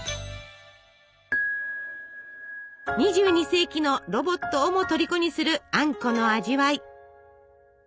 ２２世紀のロボットをもとりこにするあんこの味わい。